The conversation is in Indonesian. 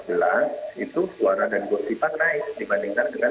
faktanya dua ribu empat belas itu suara dan gosipan naik dibandingkan dengan dua ribu sembilan